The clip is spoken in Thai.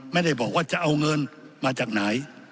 ไม่ได้บอกว่าจะเอาเงินมาจากไหน